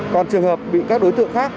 còn trường hợp bị các đối tượng khác